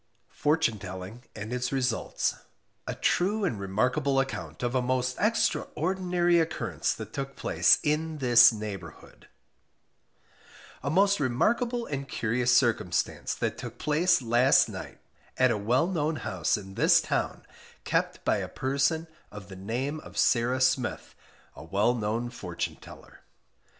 FORTUNE TELLING AND ITS RESULTS. A True and Remarkable Account of a most Extraordinary Occurrence that took place IN THIS NEIGHBOURHOOD. A most remarkable and curious circumstance that took place last night at a well known house in this town, kept by a person of the name of Sarah Smith, a well known fortune teller.